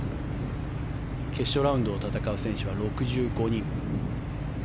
決勝ラウンドを戦う選手は６５人。